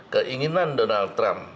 keinginan donald trump